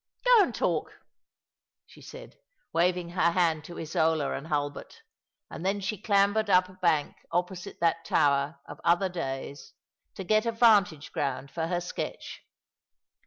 '" Go and talk," she said, waving her hand to Isola and Hulbert ; and then she clambered up a bank opposite that tower of other days to get a vantage ground for her sketch.